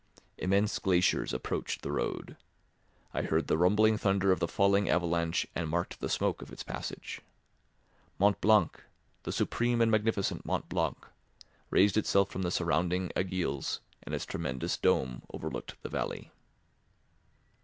Immense glaciers approached the road; I heard the rumbling thunder of the falling avalanche and marked the smoke of its passage. Mont Blanc, the supreme and magnificent Mont Blanc, raised itself from the surrounding aiguilles, and its tremendous dôme overlooked the valley.